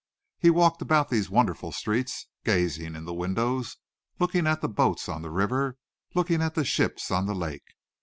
He walked about these wonderful streets, gazing in the windows, looking at the boats on the river, looking at the ships on the lake.